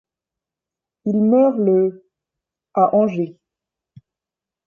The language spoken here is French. Il meurt le à Angers.